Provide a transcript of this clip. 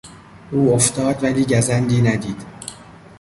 او افتاد ولی گزندی ندید.